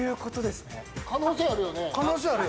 可能性あるよね。